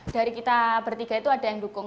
dari kita bertiga itu ada yang dukung